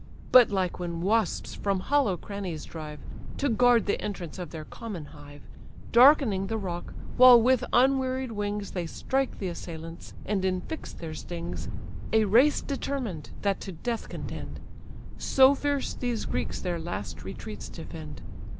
But like when wasps from hollow crannies drive, To guard the entrance of their common hive, Darkening the rock, while with unwearied wings They strike the assailants, and infix their stings; A race determined, that to death contend: So fierce these Greeks their last retreats defend.